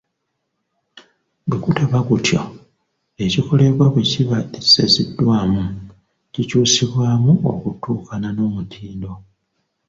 Bwe gutaba gutyo, ekikolebwa bwe kiba tekisaziddwamu, kikyusibwamu okutuukana n’omutindo.